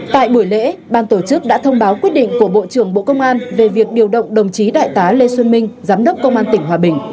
tại buổi lễ ban tổ chức đã thông báo quyết định của bộ trưởng bộ công an về việc điều động đồng chí đại tá lê xuân minh giám đốc công an tỉnh hòa bình